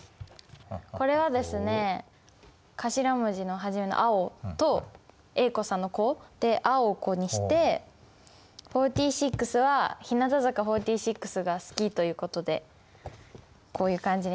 これはですね頭文字の初めの「青」と影子さんの「子」で「Ａｏｋｏ」にして「４６」は日向坂４６が好きということでこういう感じにしました。